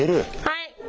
はい。